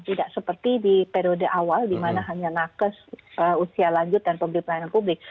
tidak seperti di periode awal di mana hanya nakes usia lanjut dan pemberi pelayanan publik